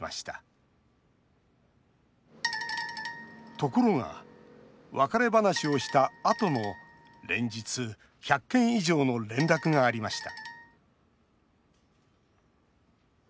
ところが、別れ話をしたあとも連日１００件以上の連絡がありました